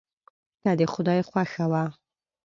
که د خدای خوښه وه.